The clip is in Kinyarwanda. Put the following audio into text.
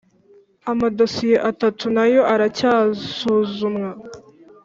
amadosiye atatu nayo aracyasuzumwa.